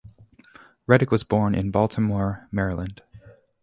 Reddick was born in Baltimore, Maryland.